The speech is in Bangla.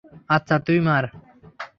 আচ্ছা, তুই মার।